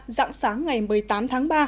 dạng sáng ngày một mươi tám tháng ba